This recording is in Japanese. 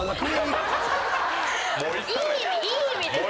いい意味です。